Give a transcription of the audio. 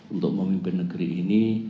untuk memimpin negeri ini